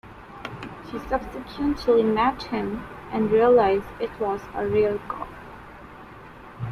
She subsequently met him and realised it was a real call.